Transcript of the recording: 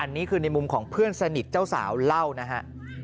อันนี้คือในมุมของเพื่อนสนิทเจ้าสาวเล่านะฮะ